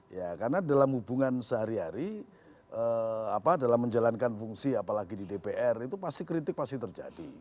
ya karena dalam hubungan sehari hari dalam menjalankan fungsi apalagi di dpr itu pasti kritik pasti terjadi